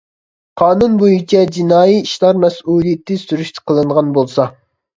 قانۇن بويىچە جىنايى ئىشلار مەسئۇلىيىتى سۈرۈشتە قىلىنغان بولسا.